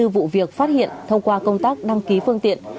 hai mươi vụ việc phát hiện thông qua công tác đăng ký phương tiện